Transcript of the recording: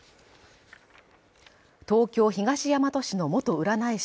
東京東大和市の元占い師